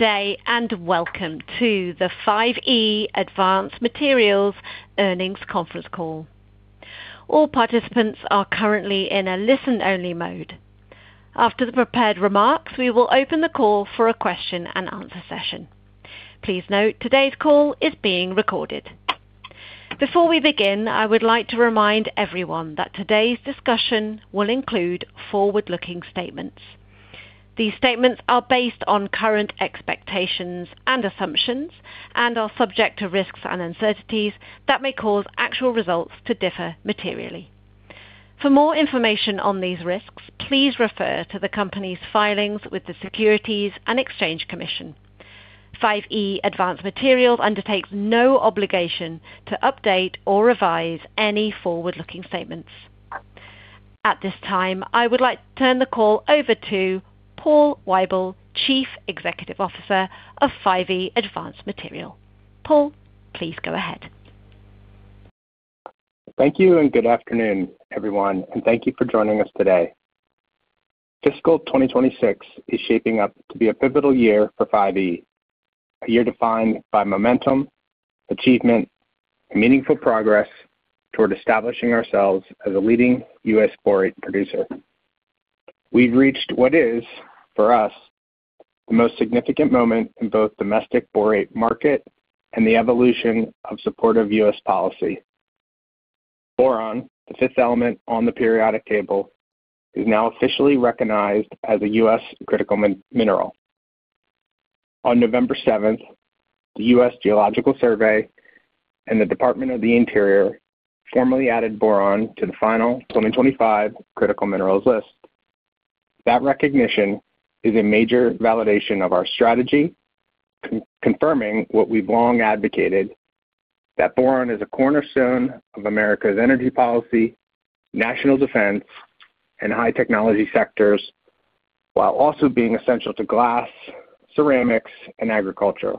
Today, and welcome to the 5E Advanced Materials earnings conference call. All participants are currently in a listen-only mode. After the prepared remarks, we will open the call for a question-and-answer session. Please note today's call is being recorded. Before we begin, I would like to remind everyone that today's discussion will include forward-looking statements. These statements are based on current expectations and assumptions and are subject to risks and uncertainties that may cause actual results to differ materially. For more information on these risks, please refer to the company's filings with the Securities and Exchange Commission. 5E Advanced Materials undertakes no obligation to update or revise any forward-looking statements. At this time, I would like to turn the call over to Paul Weibel, Chief Executive Officer of 5E Advanced Materials. Paul, please go ahead. Thank you, and good afternoon, everyone, and thank you for joining us today. Fiscal 2026 is shaping up to be a pivotal year for 5E a year defined by momentum, achievement, and meaningful progress toward establishing ourselves as a leading U.S. borate producer. We've reached what is, for us, the most significant moment in both the domestic borate market and the evolution of supportive U.S. policy. Boron, the fifth element on the periodic table, is now officially recognized as a U.S. critical mineral. On November 7th, the U.S. Geological Survey and the Department of the Interior formally added boron to the final 2025 critical minerals list. That recognition is a major validation of our strategy, confirming what we've long advocated: that boron is a cornerstone of America's energy policy, national defense, and high-technology sectors, while also being essential to glass, ceramics, and agriculture.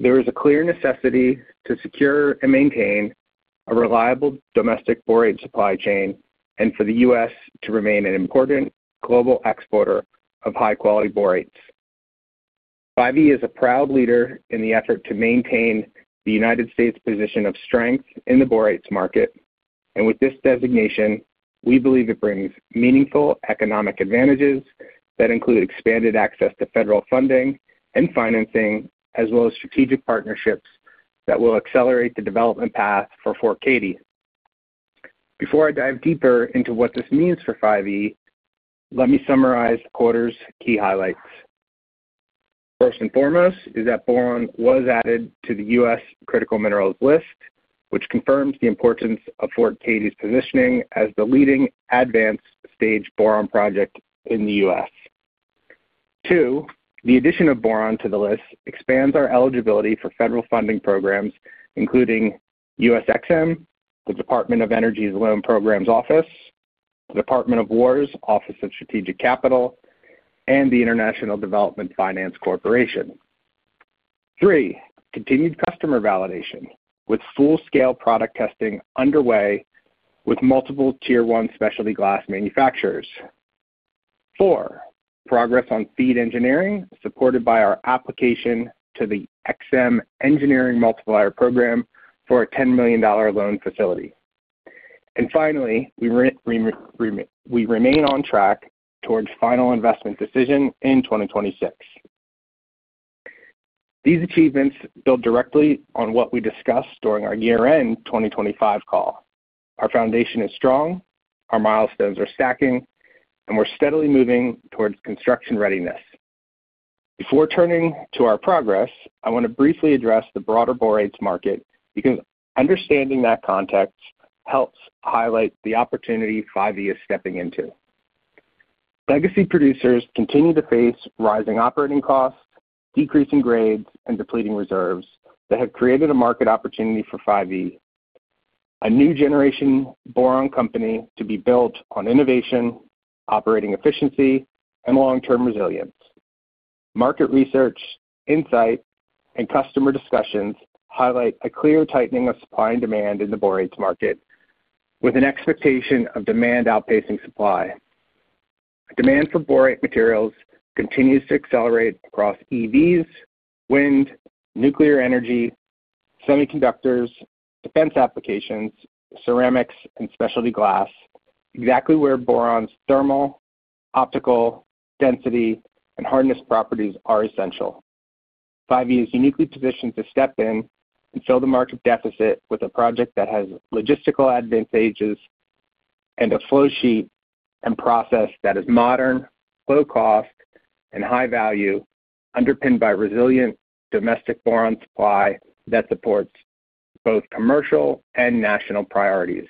There is a clear necessity to secure and maintain a reliable domestic borate supply chain and for the U.S. to remain an important global exporter of high-quality borates. 5E is a proud leader in the effort to maintain the United States' position of strength in the borates market, and with this designation, we believe it brings meaningful economic advantages, including expanded access to federal funding and financing, as well as strategic partnerships that will accelerate the development path for Fort Cady. Before I dive deeper into what this means for 5E, let me summarize the quarter's key highlights. First and foremost, boron was added to the U.S. critical minerals list, which confirms the importance of Fort Cady's positioning as the leading advanced-stage boron project in the U.S. Two, the addition of boron to the list expands our eligibility for federal funding programs, including EXIM, the Department of Energy's Loan Programs Office, the Department of Defense's Office of Strategic Capital, and the International Development Finance Corporation. Three, continued customer validation, with full-scale product testing underway with multiple Tier 1 specialty glass manufacturers. Four, progress on feed engineering, supported by our application to the EXIM Engineering Multiplier Program for a $10 million loan facility. Finally, we remain on track towards final investment decision in 2026. These achievements build directly on what we discussed during our year-end 2025 call. Our foundation is strong, our milestones are stacking, and we're steadily moving towards construction readiness. Before turning to our progress, I want to briefly address the broader borates market because understanding that context helps highlight the opportunity 5E is stepping into. Legacy producers continue to face rising operating costs, decreasing grades, and depleting reserves that have created a market opportunity for 5E, a new generation boron company to be built on innovation, operating efficiency, and long-term resilience. Market research, insight, and customer discussions highlight a clear tightening of supply and demand in the borates market, with an expectation of demand outpacing supply. Demand for borate materials continues to accelerate across EVs, wind, nuclear energy, semiconductors, defense applications, ceramics, and specialty glass, exactly where boron's thermal, optical, density, and hardness properties are essential. 5E is uniquely positioned to step in and fill the market deficit with a project that has logistical advantages and a flowsheet and process that is modern, low-cost, and high-value, underpinned by resilient domestic boron supply that supports both commercial and national priorities.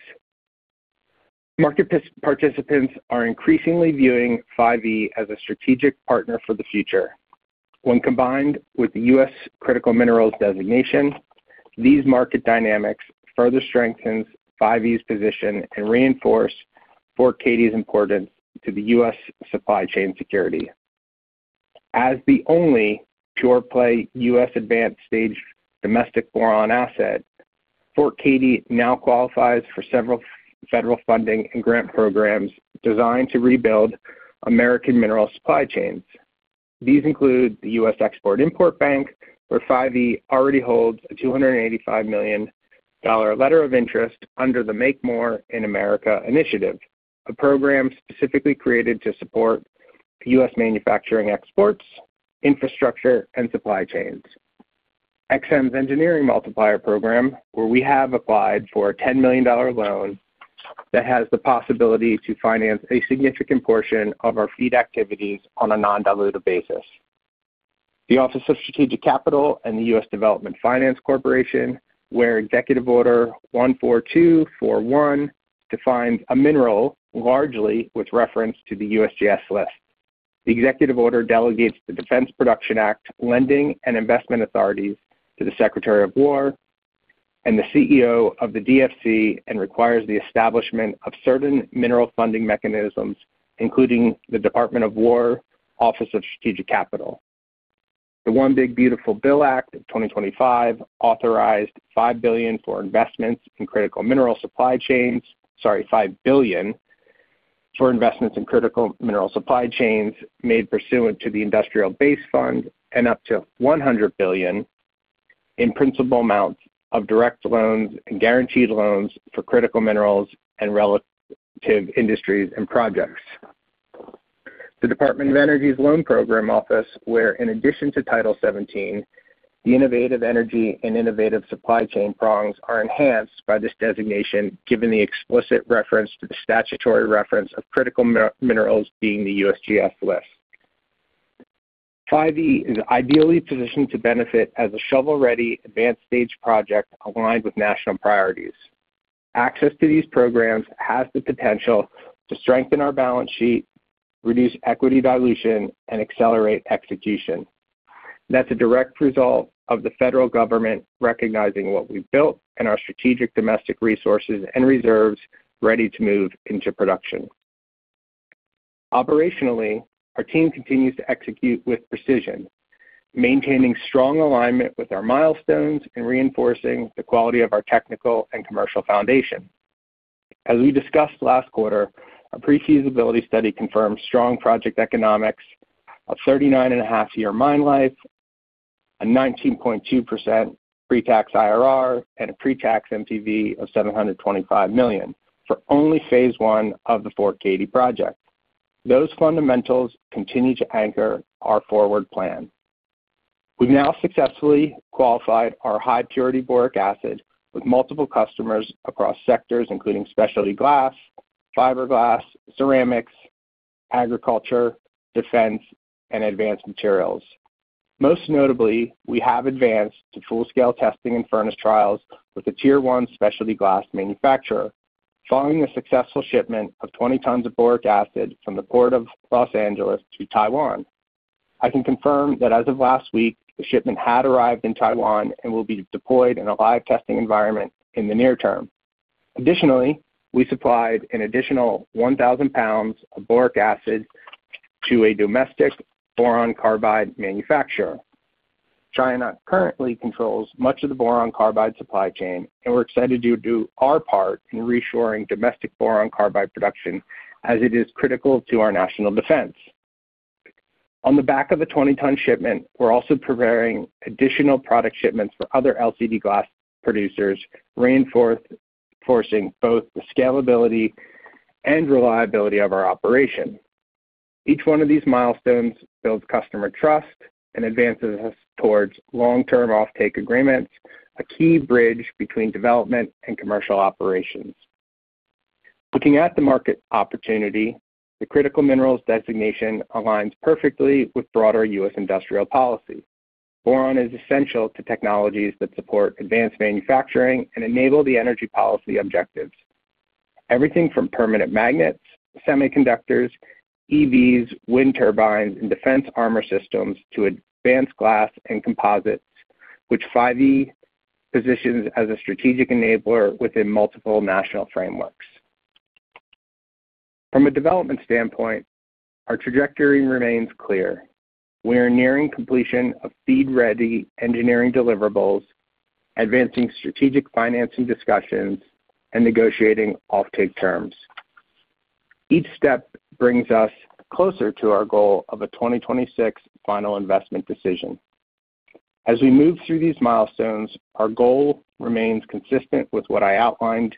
Market participants are increasingly viewing 5E as a strategic partner for the future. When combined with the US critical minerals designation, these market dynamics further strengthen 5E's position and reinforce Fort Cady's importance to the US supply chain security. As the only pure-play US advanced-stage domestic boron asset, Fort Cady now qualifies for several federal funding and grant programs designed to rebuild American mineral supply chains. These include the US Export-Import Bank, where 5E already holds a $285 million letter of interest under the Make More in America initiative, a program specifically created to support US manufacturing exports, infrastructure, and supply chains. EXIM's Engineering Multiplier Program, where we have applied for a $10 million loan that has the possibility to finance a significant portion of our feed activities on a non-diluted basis. The Office of Strategic Capital and the US International Development Finance Corporation, where Executive Order 14241 defines a mineral largely with reference to the USGS list. The Executive Order delegates the Defense Production Act lending and investment authorities to the Secretary of War and the CEO of the DFC and requires the establishment of certain mineral funding mechanisms, including the Department of War, Office of Strategic Capital. The One Big Beautiful Bill Act of 2025 authorized $5 billion for investments in critical mineral supply chains sorry, $5 billion for investments in critical mineral supply chains made pursuant to the Industrial Base Fund and up to $100 billion in principal amounts of direct loans and guaranteed loans for critical minerals and related industries and projects. The Department of Energy's Loan Program Office, where in addition to Title 17, the innovative energy and innovative supply chain prongs are enhanced by this designation given the explicit reference to the statutory reference of critical minerals being the USGS list. 5E is ideally positioned to benefit as a shovel-ready advanced-stage project aligned with national priorities. Access to these programs has the potential to strengthen our balance sheet, reduce equity dilution, and accelerate execution. That's a direct result of the federal government recognizing what we've built and our strategic domestic resources and reserves, ready to move into production. Operationally, our team continues to execute with precision, maintaining strong alignment with our milestones and reinforcing the quality of our technical and commercial foundation. As we discussed last quarter, our pre-feasibility study confirmed strong project economics of a 39.5-year mine life, a 19.2% pre-tax IRR, and a pre-tax MTV of $725 million for only phase one of the Fort Cady project. Those fundamentals continue to anchor our forward plan. We've now successfully qualified our high-purity boric acid with multiple customers across sectors, including specialty glass, fiberglass, ceramics, agriculture, defense, and advanced materials. Most notably, we have advanced to full-scale testing and furnace trials with a Tier 1 specialty glass manufacturer, following a successful shipment of 20 tons of boric acid from the port of Los Angeles to Taiwan. I can confirm that as of last week, the shipment had arrived in Taiwan and will be deployed in a live testing environment in the near term. Additionally, we supplied an additional 1,000 pounds of boric acid to a domestic boron carbide manufacturer. China currently controls much of the boron carbide supply chain, and we're excited to do our part in reshoring domestic boron carbide production as it is critical to our national defense. On the back of the 20-ton shipment, we're also preparing additional product shipments for other LCD glass producers, reinforcing both the scalability and reliability of our operation. Each one of these milestones builds customer trust and advances us towards long-term offtake agreements, a key bridge between development and commercial operations. Looking at the market opportunity, the critical minerals designation aligns perfectly with broader U.S. industrial policy. Boron is essential to technologies that support advanced manufacturing and enable the energy policy objectives. Everything from permanent magnets, semiconductors, EVs, wind turbines, and defense armor systems to advanced glass and composites, which 5E positions as a strategic enabler within multiple national frameworks. From a development standpoint, our trajectory remains clear. We are nearing completion of feed-ready engineering deliverables, advancing strategic financing discussions, and negotiating offtake terms. Each step brings us closer to our goal of a 2026 final investment decision. As we move through these milestones, our goal remains consistent with what I outlined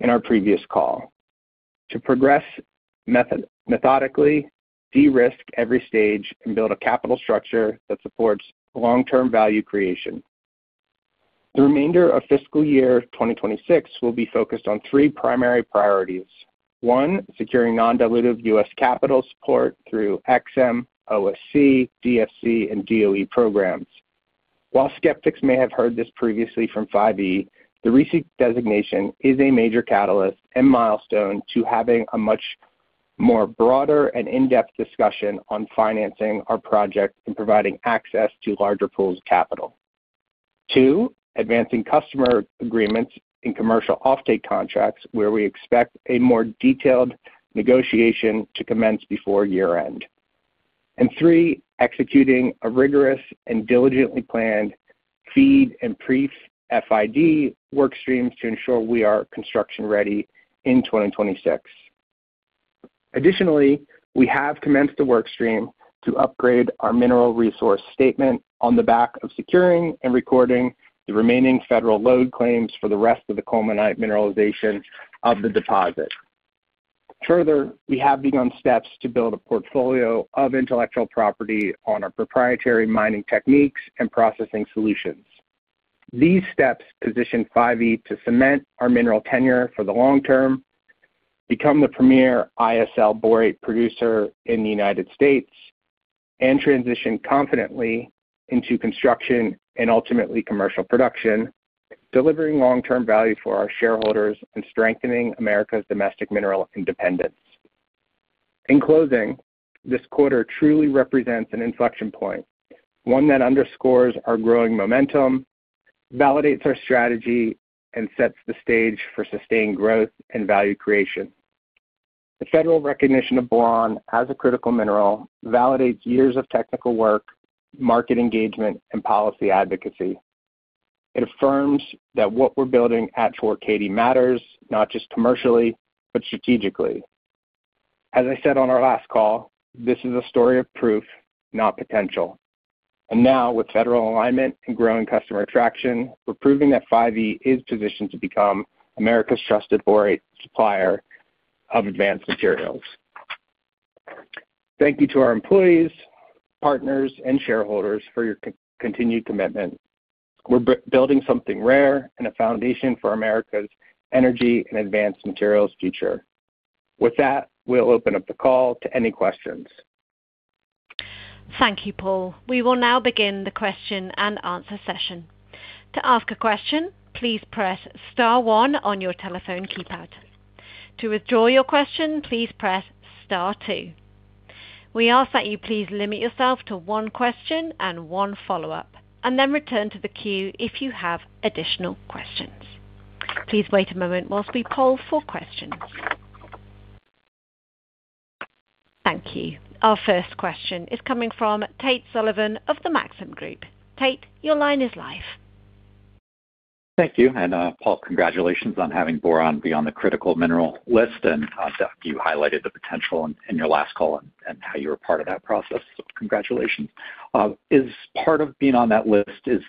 in our previous call: to progress methodically, de-risk every stage, and build a capital structure that supports long-term value creation. The remainder of fiscal year 2026 will be focused on three primary priorities: one, securing non-dilutive U.S. capital support through EXIM, OSC, DFC, and DOE programs. While skeptics may have heard this previously from 5E, the recent designation is a major catalyst and milestone to having a much broader and in-depth discussion on financing our project and providing access to larger pools of capital. Two, advancing customer agreements in commercial offtake contracts, where we expect a more detailed negotiation to commence before year-end. Three, executing a rigorous and diligently planned feed and pre-FID workstreams to ensure we are construction-ready in 2026. Additionally, we have commenced the workstream to upgrade our mineral resource statement on the back of securing and recording the remaining federal load claims for the rest of the colmonite mineralization of the deposit. Further, we have begun steps to build a portfolio of intellectual property on our proprietary mining techniques and processing solutions. These steps position 5E to cement our mineral tenure for the long term, become the premier ISL borate producer in the United States, and transition confidently into construction and ultimately commercial production, delivering long-term value for our shareholders and strengthening America's domestic mineral independence. In closing, this quarter truly represents an inflection point, one that underscores our growing momentum, validates our strategy, and sets the stage for sustained growth and value creation. The federal recognition of boron as a critical mineral validates years of technical work, market engagement, and policy advocacy. It affirms that what we're building at 5E matters, not just commercially, but strategically. As I said on our last call, this is a story of proof, not potential. And now, with federal alignment and growing customer traction, we're proving that 5E is positioned to become America's trusted borate supplier of advanced materials. Thank you to our employees, partners, and shareholders for your continued commitment. We're building something rare and a foundation for America's energy and advanced materials future. With that, we'll open up the call to any questions. Thank you, Paul. We will now begin the question and answer session. To ask a question, please press Star 1 on your telephone keypad. To withdraw your question, please press Star 2. We ask that you please limit yourself to one question and one follow-up, and then return to the queue if you have additional questions. Please wait a moment whilst we poll for questions. Thank you. Our first question is coming from Tate Sullivan of the Maxim Group. Tate, your line is live. Thank you. And Paul, congratulations on having boron be on the critical mineral list. You highlighted the potential in your last call and how you were part of that process. So congratulations. As part of being on that list, is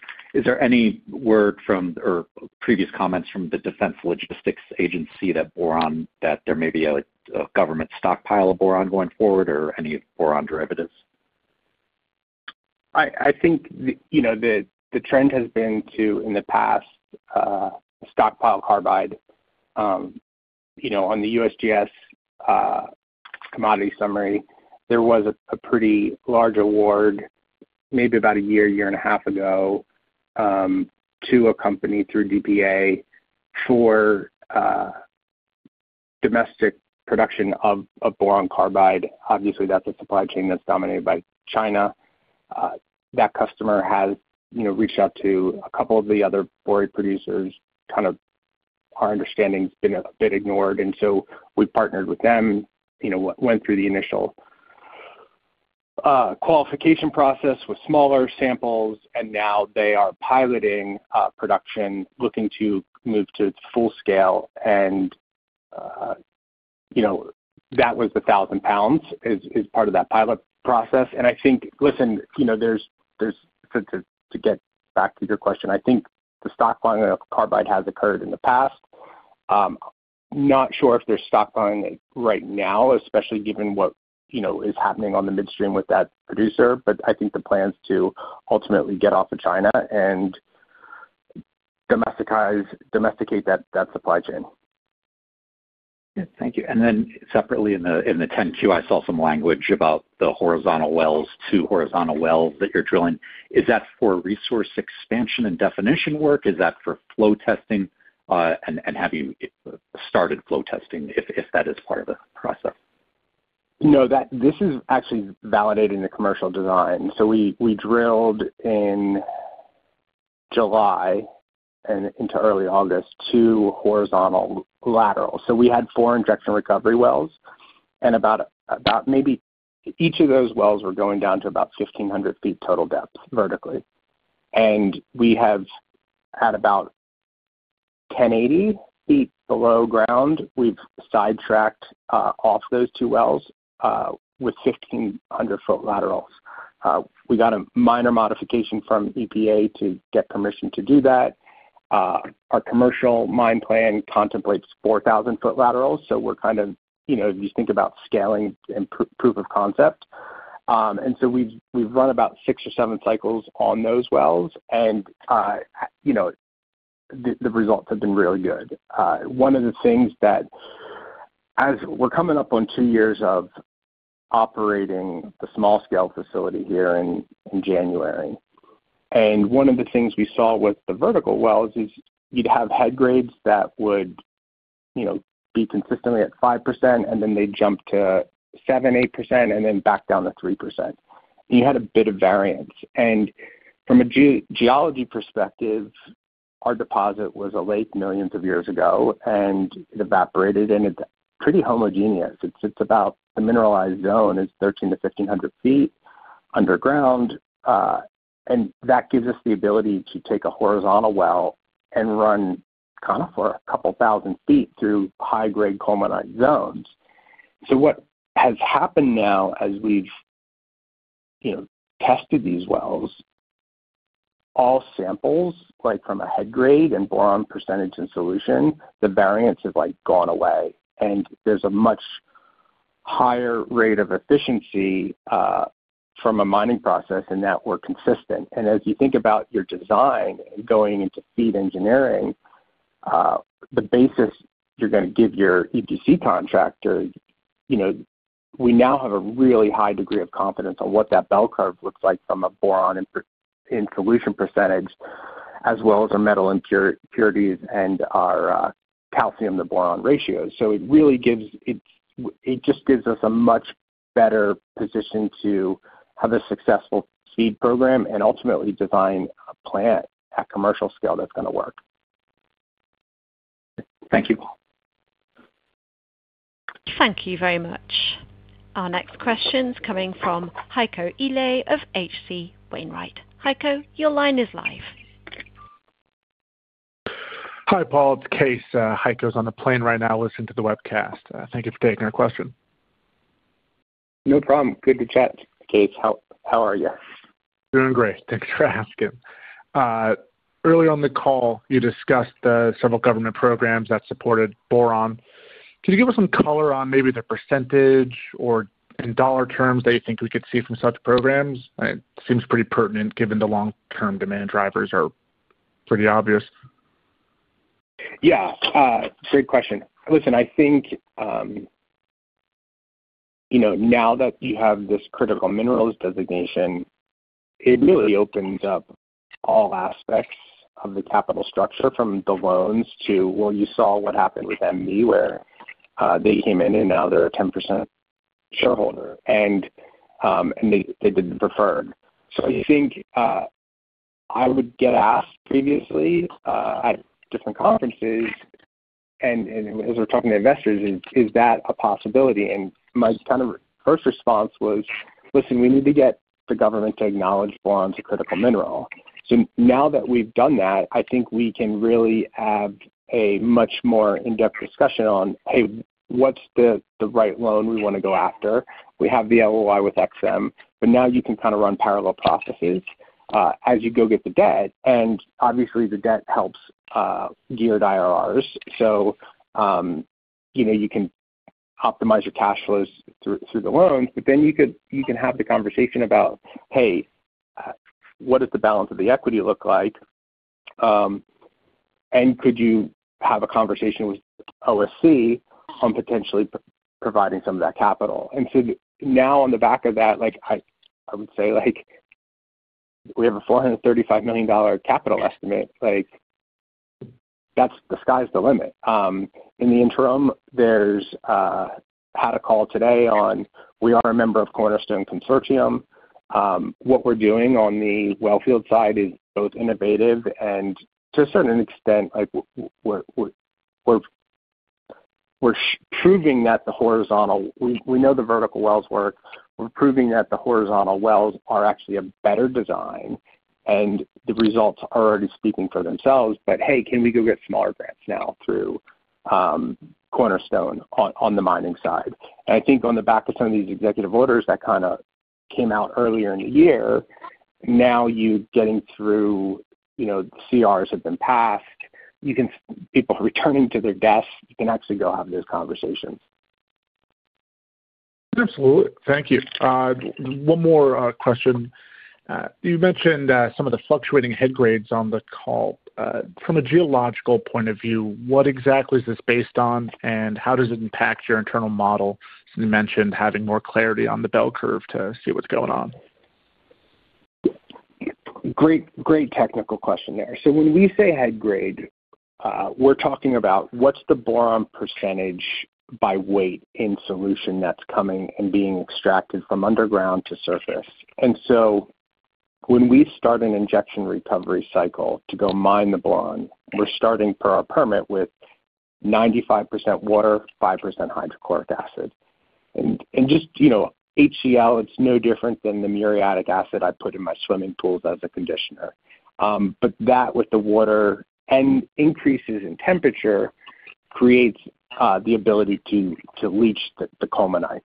there any word from or previous comments from the Defense Logistics Agency that there may be a government stockpile of boron going forward or any boron derivatives? I think the trend has been to, in the past, stockpile carbide. On the USGS commodity summary, there was a pretty large award, maybe about a year, year and a half ago, to a company through DPA for domestic production of boron carbide. Obviously, that's a supply chain that's dominated by China. That customer has reached out to a couple of the other borate producers. Our understanding has been somewhat ignored. We partnered with them, went through the initial qualification process with smaller samples, and now they are piloting production, looking to move to full scale. That was the 1,000 pounds as part of that pilot process. I think, to get back to your question, the stockpiling of carbide has occurred in the past. Not sure if there's stockpiling right now, especially given what is happening on the midstream with that producer. I think the plan is to ultimately get off China and domesticate that supply chain. Thank you. Then, separately, in the 10Q, I saw some language about the horizontal wells, two horizontal wells that you're drilling. Is that for resource expansion and definition work? Is that for flow testing? And have you started flow testing, if that is part of the process? No, this is actually validating the commercial design. We drilled in July and into early August two horizontal laterals. We had four injection recovery wells. Each of those wells went down to about 1,500 ft total depth vertically. We have had about 1,080 ft below ground. We sidetracked off those two wells with 1,500 ft laterals. We got a minor modification from the Environmental Protection Agency to get permission to do that. Our commercial mine plan contemplates 4,000 ft laterals for scaling and proof of concept. We have run about six or seven cycles on those wells. The results have been really good. One of the things that, as we're coming up on two years of operating the small-scale facility here in January, is that with the vertical wells, you'd have head grades consistently at 5%, then they'd jump to 7-8%, and then back down to 3%. You had a bit of variance. From a geology perspective, our deposit was a lake millions of years ago, and it evaporated. It is pretty homogeneous. The mineralized zone is 1,300-1,500 feet underground. That gives us the ability to take a horizontal well and run for a couple thousand feet through high-grade colmonite zones. What has happened now, as we've tested these wells, all samples, like from a head grade and boron percentage in solution, the variance has gone away. There is a much higher rate of efficiency from a mining process in that we are consistent. As you think about your design going into feed engineering, the basis you are going to give your EPC contractor, we now have a really high degree of confidence on what that bell curve looks like for boron and solution percentage, as well as our metal impurities and our calcium-to-boron ratios. It just gives us a much better position to have a successful feed program and ultimately design a plant at commercial scale that is going to work. Thank you. Thank you very much. Our next question is coming from Heiko Ile of HC Wainwright. Heiko, your line is live. Hi, Paul. It is Case. Heiko is on the plane right now listening to the webcast. Thank you for taking our question. No problem. Good to chat, Case. How are you? Doing great. Thanks for asking. Earlier on the call, you discussed several government programs that supported boron. Could you give us some color on maybe the percentage or in dollar terms that you think we could see from such programs? It seems pretty pertinent given the long-term demand drivers are obvious. Yeah. Great question. Listen, I think now that you have this critical minerals designation, it really opens up all aspects of the capital structure, from the loans to, well, you saw what happened with MD, where they came in and are now a 10% shareholder. And they did the preferred. I think I would get asked previously at different conferences, and as we're talking to investors, is that a possibility? My first response was, listen, we need to get the government to acknowledge boron as a critical mineral. Now that we've done that, I think we can really have a much more in-depth discussion on, hey, what's the right loan we want to go after? We have the LOI with EXIM. Now you can run parallel processes as you get the debt. Obviously, the debt helps geared IRRs, so you can optimize your cash flows through the loans. Then you can have the conversation about, hey, what does the balance of the equity look like? Could you have a conversation with OSC on potentially providing some of that capital? On the back of that, I would say we have a $435 million capital estimate. That's the sky's the limit. In the interim, we had a call today on, we are a member of Cornerstone Consortium. What we're doing on the wellfield side is both innovative and, to a certain extent, we're proving that the horizontal we know the vertical wells work. We're proving that the horizontal wells are actually a better design. The results are already speaking for themselves. Hey, can we go get smaller grants now through Cornerstone on the mining side? I think on the back of some of these executive orders that came out earlier in the year, now you're getting through; CRs have been passed. People are returning to their desks. You can actually go have those conversations. Absolutely. Thank you. One more question. You mentioned some of the fluctuating head grades on the call. From a geological point of view, what exactly is this based on, and how does it impact your internal model? You mentioned having more clarity on the bell curve to see what's going on. Great technical question there. When we say head grade, we're talking about what's the boron percentage by weight in solution that's being extracted from underground to the surface. When we start an injection recovery cycle to mine the boron, we're starting for our permit with 95% water and 5% hydrochloric acid. Just HCl it's no different than the muriatic acid I put in my swimming pools as a conditioner. That, with the water and increase in temperature, creates the ability to leach the colmonite.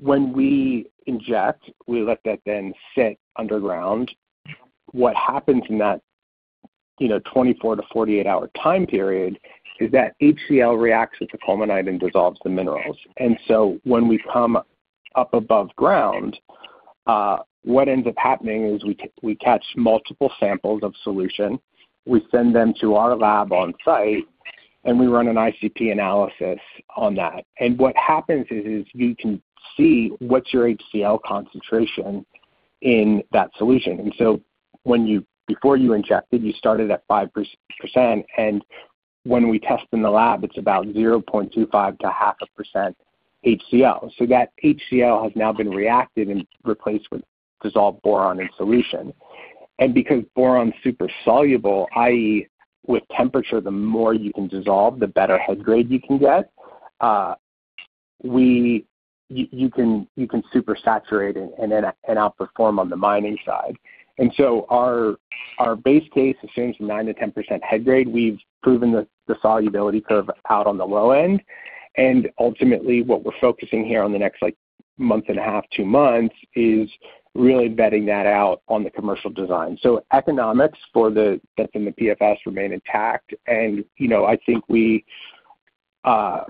When we inject, we let that then sit underground. What happens in that 24- to 48-hour time period is that HCl reacts with the colmonite and dissolves the minerals. When we come above ground, what ends up happening is we catch multiple samples of solution. We send them to our lab on site and run an ICP analysis on them. What happens is you can see your HCl concentration in that solution. Before you injected, you started at 5%. When we test in the lab, it is about 0.25%-0.5% HCl. That HCl has now reacted and been replaced with dissolved boron in solution. Because boron is super soluble (i.e., with temperature), the more you can dissolve, the better head grade you can get. You can supersaturate and outperform on the mining side. Our base case changed from 9%-10% head grade. We have proven the solubility curve at the low end. Ultimately, what we're focusing on in the next month and a half to two months is really vetting that out on the commercial design. Economics for that in the PFS remain intact. I think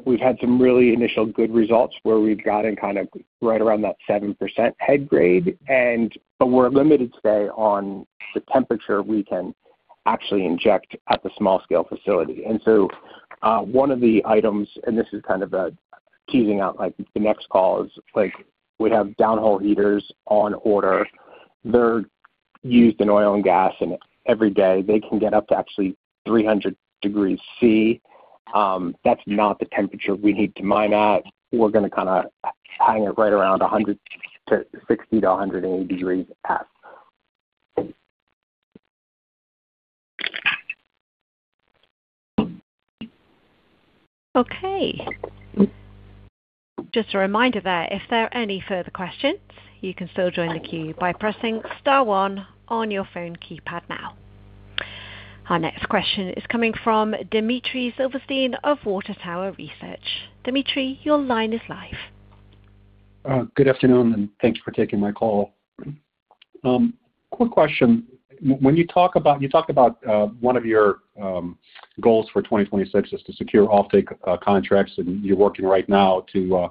we've had some really initial good results where we've gotten right around a 7% head grade. We're limited today on the temperature we can inject at the small-scale facility. One of the items, and this is kind of teasing out the next call, is we have downhole heaters on order. They're used in oil and gas. Every day, they can get up to 300 degrees Celsius. That's not the temperature we need to mine at. We're going to hang it around 60-180 degrees Fahrenheit. Just a reminder that if there are any further questions, you can still join the queue by pressing star 1 on your phone keypad now. Our next question is coming from Dimitri Silverstein of Water Tower Research. Dimitri, your line is live. Good afternoon, and thank you for taking my call. Quick question: when you talk about one of your goals for 2026 to secure offtake contracts, and you're working right now to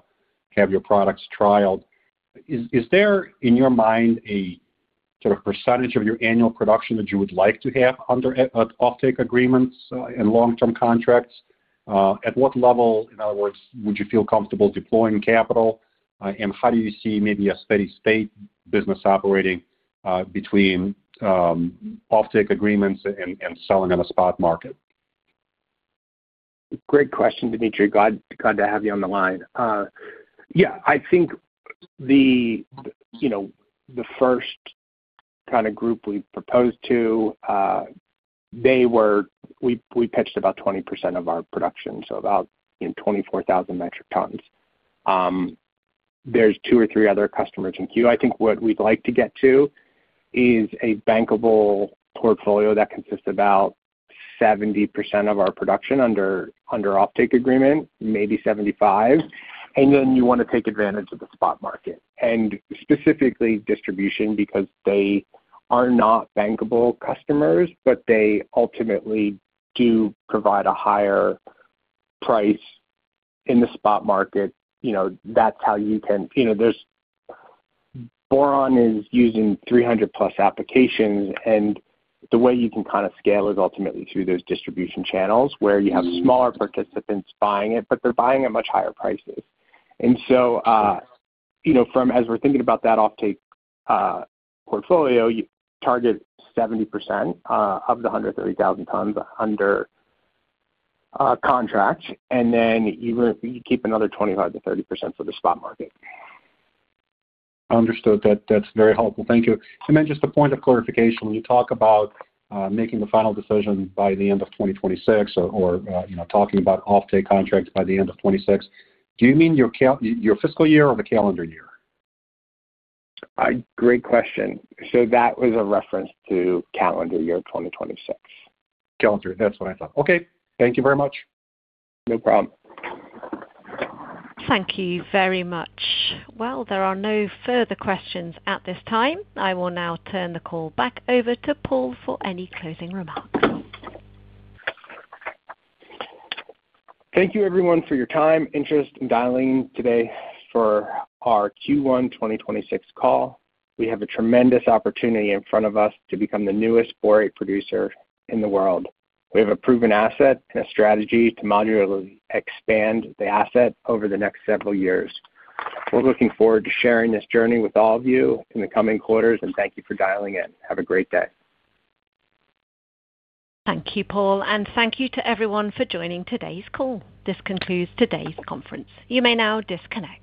have your products trialed, is there, in your mind, a percentage of your annual production that you would like to have under offtake agreements and long-term contracts? At what level, in other words, would you feel comfortable deploying capital? And how do you see a steady-state business operating between offtake agreements and selling on a spot market? Great question, Dimitri. Glad to have you on the line. Yeah. I think the first group we proposed to, we pitched about 20% of our production, so about 24,000 metric tons. There are two or three other customers in queue. I think what we'd like to get to is a bankable portfolio that consists of about 70% of our production under offtake agreement, maybe 75%. You want to take advantage of the spot market, specifically distribution, because they are not bankable customers, but they ultimately provide a higher price in the spot market. That is how you can boron is used in 300-plus applications. The way you can scale is ultimately through those distribution channels where smaller participants buy it, but at much higher prices. As we are thinking about that offtake portfolio, you target 70% of the 130,000 tons under contract. You keep another 25-30% for the spot market. Understood. That is very helpful. Thank you. Just a point of clarification: when you talk about making the final decision by the end of 2026, or talking about offtake contracts by the end of 2026, do you mean your fiscal year or the calendar year? Great question. That was a reference to calendar year 2026. Calendar. That is what I thought. Okay. Thank you very much. No problem. We have a proven asset and a strategy to modularly expand the asset over the next several years. We're looking forward to sharing this journey with all of you in the coming quarters. Thank you for dialing in. Have a great day. Thank you, Paul. And thank you to everyone for joining today's call. This concludes today's conference. You may now disconnect.